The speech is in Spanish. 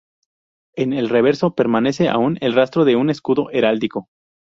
En el reverso permanece aún el rastro de un escudo heráldico.